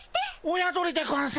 親鳥でゴンス。